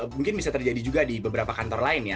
mungkin bisa terjadi juga di beberapa kantor lain ya